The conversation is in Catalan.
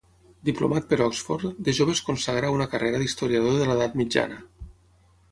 Diplomat per Oxford, de jove es consagra a una carrera d'historiador de l'Edat mitjana.